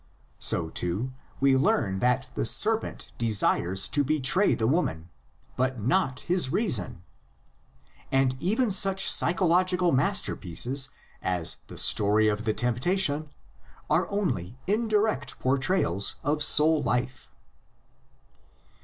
So, too, we learn that the ser pent desires to betray the woman, but not his LITERARY FORM OF THE LEGENDS. 67 reason. And even such psychological masterpieces as the story of the temptation are only indirect portrayals of soul life.